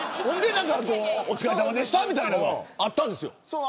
お疲れさまでしたみたいなのがあったんですよ。